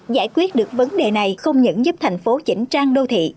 giải quyết được vấn đề này không những giúp thành phố chỉnh trang đô thị